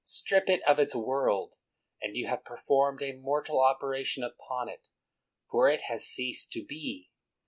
Strip it of its world, and you have per formed a mortal operation upon it, for it has ceased to be.